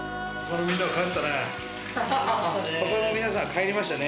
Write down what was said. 他の皆さんは帰りましたね。